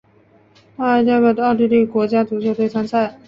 他也代表奥地利国家足球队参赛。